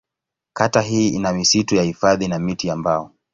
Kata hii ina misitu ya hifadhi na miti ya mbao.